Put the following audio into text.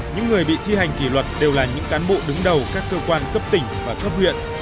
những người bị thi hành kỷ luật đều là những cán bộ đứng đầu các cơ quan cấp tỉnh và cấp huyện